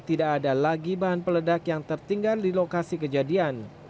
tidak ada lagi bahan peledak yang tertinggal di lokasi kejadian